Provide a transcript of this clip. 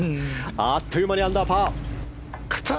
あっという間にアンダーパー。